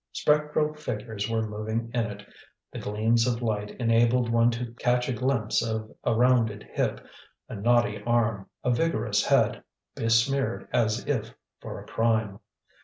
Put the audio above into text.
Spectral figures were moving in it, the gleams of light enabled one to catch a glimpse of a rounded hip, a knotty arm, a vigorous head, besmeared as if for a crime.